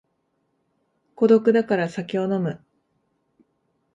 孤独だから酒を飲む